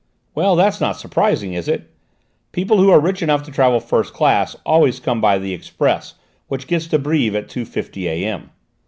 "Well, that's not surprising, is it? People who are rich enough to travel first class always come by the express which gets to Brives at 2.50 A.M."